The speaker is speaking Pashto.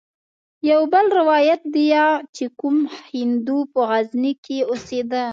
يو بل روايت ديه چې کوم هندو په غزني کښې اوسېده.